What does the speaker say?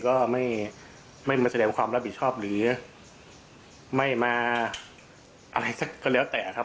ก็ไม่ไม่มาแสดงความรับผิดชอบหรือไม่มาอะไรสักก็แล้วแต่ครับ